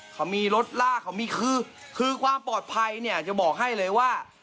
เขามีรถลากเขามีคือความปลอดภัยเนี่ยจะบอกให้เลยว่า